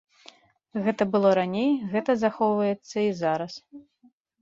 Гэты было раней, гэта захоўваецца і зараз.